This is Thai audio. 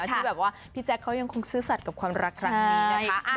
ที่แบบว่าพี่แจ๊คเขายังคงซื่อสัตว์กับความรักครั้งนี้นะคะ